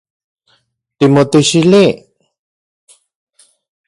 ¿Timotixili?